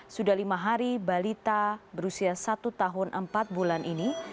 sudah lima hari balita berusia satu tahun empat bulan ini